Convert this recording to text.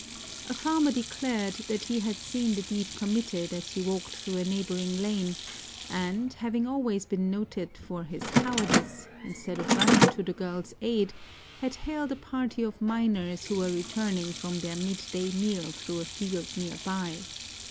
A farmer declared that he had seen the deed committed as he walked through a neighboring lane, and, having always been noted for his cowardice, instead of running to the girlŌĆÖs aid, had hailed a party of miners who were returning from their mid day meal through a field near by.